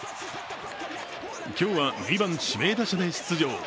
今日は、２番・指名打者で出場。